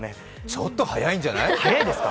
ちょっと早いんじゃない？